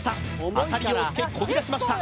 浅利陽介こぎだしました